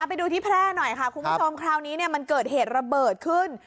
ไปดูที่แพร่หน่อยค่ะคุณผู้ชมคราวนี้เนี่ยมันเกิดเหตุระเบิดขึ้น